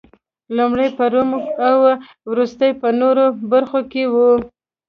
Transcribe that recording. لومړی په روم او وروسته په نورو برخو کې و